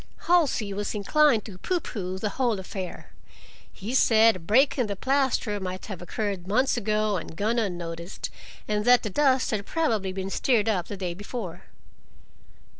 Halsey was inclined to pooh pooh the whole affair. He said a break in the plaster might have occurred months ago and gone unnoticed, and that the dust had probably been stirred up the day before.